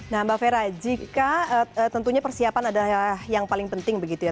nah mbak fera jika tentunya persiapan adalah yang paling penting begitu ya